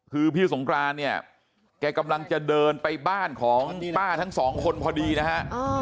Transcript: คือพี่สงครานเนี่ยแกกำลังจะเดินไปบ้านของป้าทั้งสองคนพอดีนะฮะ